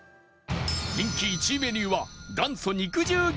人気１位メニューは元祖肉汁餃子なのか？